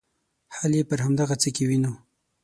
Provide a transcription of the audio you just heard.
حل یې پر همدغه څه کې وینو.